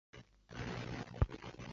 下周你那时有空